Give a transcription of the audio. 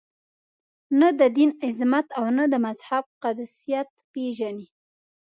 نه د دین عظمت او نه د مذهب قدسیت پېژني.